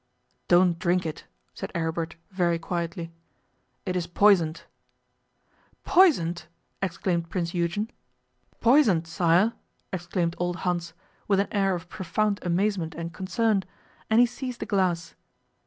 'Don't drink it,' said Aribert very quietly. 'It is poisoned.' 'Poisoned!' exclaimed Prince Eugen. 'Poisoned, sire!' exclaimed old Hans, with an air of profound amazement and concern, and he seized the glass.